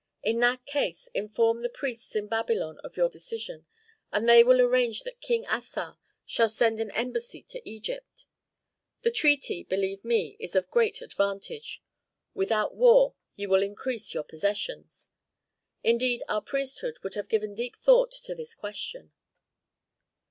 "In that case inform the priests in Babylon of your decision, and they will arrange that King Assar shall send an embassy to Egypt. This treaty, believe me, is of great advantage; without war ye will increase your possessions. Indeed our priesthood have given deep thought to this question."